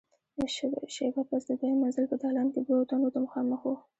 شېبه پس د دويم منزل په دالان کې دوو تنو ته مخامخ وو.